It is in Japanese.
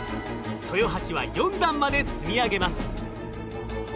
豊橋は４段まで積み上げます。